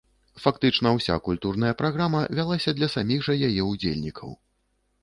Фактычна ўся культурная праграма вялася для саміх жа яе ўдзельнікаў.